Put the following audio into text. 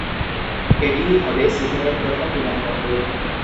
এটিই হবে সিকিমের প্রথম বিমানবন্দর।